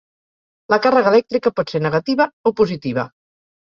La càrrega elèctrica pot ser negativa o positiva.